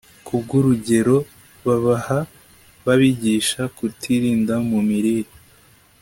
Kubwo urugero babaha babigisha kutirinda mu mirire